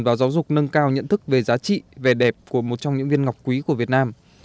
và giáo dục nâng cao nhận thức về giá trị về đẹp của một trong những viên ngọc quý của việt nam